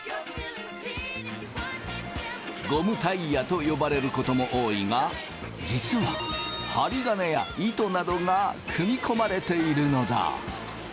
ゴムタイヤと呼ばれることも多いが実は針金や糸などが組み込まれているのだ。